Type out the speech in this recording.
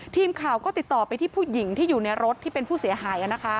ทีมข่าวก็ติดต่อไปที่ผู้หญิงที่อยู่ในรถที่เป็นผู้เสียหาย